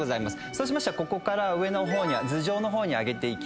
そうしたらここから上の方に頭上の方に上げていきます。